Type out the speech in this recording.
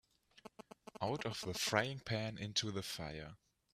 Out of the frying-pan into the fire